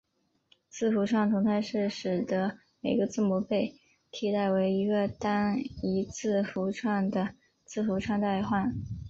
字符串同态是使得每个字母被替代为一个单一字符串的字符串代换。